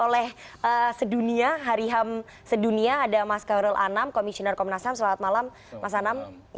oleh sedunia hari ham sedunia ada mas karul anam komisioner komnas ham selamat malam mas anam